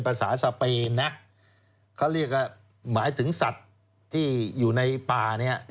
สเปนนะเขาเรียกว่าหมายถึงสัตว์ที่อยู่ในป่าเนี่ย